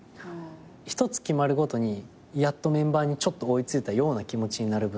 一つ決まるごとにやっとメンバーにちょっと追い付いたような気持ちになる分